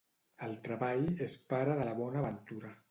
El treball és pare de la bona ventura.